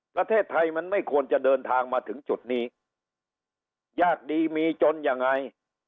ประเทศไทยมันไม่ควรจะเดินทางมาถึงจุดนี้ยากดีมีจนยังไง